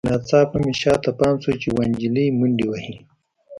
ناڅاپه مې شاته پام شو چې یوه نجلۍ منډې وهي